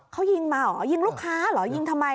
เขายิงมาเหรอยิงลูกค้าเหรอยิงทำไม